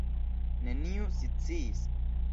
Neniu sciis.